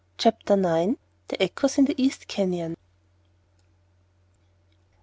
CHAPTER IX. THE ECHOES IN THE EAST CANYON.